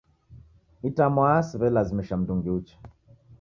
Itamwaa siw'elazimisha mndungi uche.